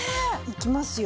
いきますよ。